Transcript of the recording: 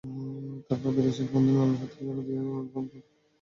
তারপরও বিদেশি বন্ধুরা নানা শর্ত জুড়ে দিয়ে অনুদান কমিয়ে দেওয়ার চেষ্টা করছে।